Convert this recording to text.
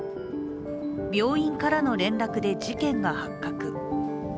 病院からの連絡で事件が発覚。